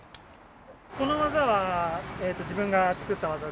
この技は自分が作った技で。